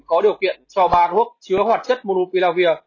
có điều kiện cho ba thuốc chứa hoạt chất munophlavir